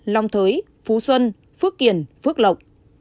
long thới phú xuân phước kiển phước lộc